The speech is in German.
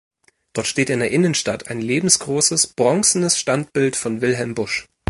Dort steht in der Innenstadt ein lebensgroßes bronzenes Standbild von Wilhelm Busch.